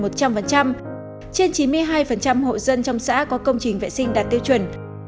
trên chín mươi hai hộ dân trong xã có công trình vệ sinh đạt tiêu chuẩn